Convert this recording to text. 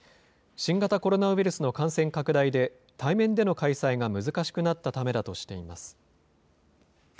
新型コロナウイルスの感染拡大で、対面での開催が難しくなったためだとしています。